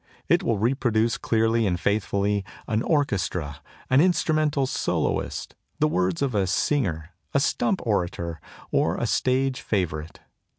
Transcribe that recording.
It will reproduce clearly and faithfully an orchestra, an instrumental soloist, the words of a singer, a stump orator, or a stage favourite.